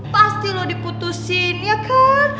pasti loh diputusin ya kan